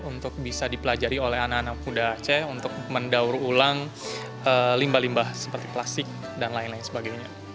untuk bisa dipelajari oleh anak anak muda aceh untuk mendaur ulang limbah limbah seperti plastik dan lain lain sebagainya